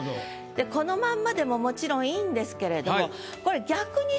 このまんまでももちろんいいんですけれどもこれ。